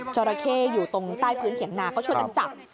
จราเข้อยู่ตรงใต้พื้นเถียงนาเขาช่วยกันจับ